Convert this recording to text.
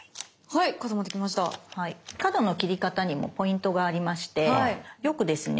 角の切り方にもポイントがありましてよくですね